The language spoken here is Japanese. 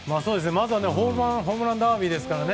まずはホームランダービーですからね。